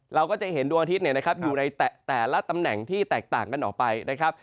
เราก็จะเห็นดวงอาทิตย์อยู่ในแต่ละตำแหน่งที่แตกต่างกันออกไปนะครับ